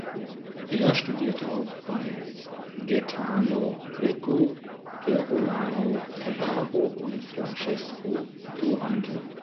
Er studierte auch bei Gaetano Greco, Gerolamo Ferraro und Francesco Durante.